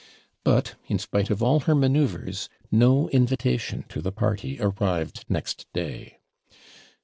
But, in spite of all her manoeuvres, no invitation to the party arrived next day.